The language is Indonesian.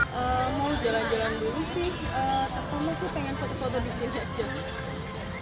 kalau mau jalan jalan dulu sih pertama sih pengen foto foto di sini aja